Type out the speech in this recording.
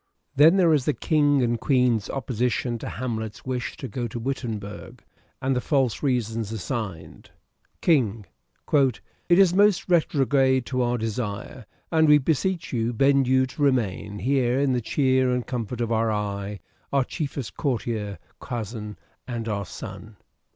Then there is the king and queen's opposition to Hamlet's wish to go to Wittenberg, and the false reasons assigned : King :" It is most retrograde to our desire ; And we beseech you, bend you to remain Here in the cheer and comfort of our eye, Our chief est courtier, cousin, and our son."